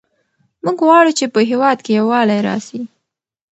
موږ غواړو چې په هېواد کې یووالی راسي.